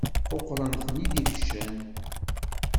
Quqṛen-ten-id ibeccan.